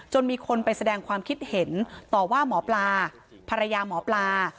มีคนไปแสดงความคิดเห็นต่อว่าหมอปลาภรรยาหมอปลา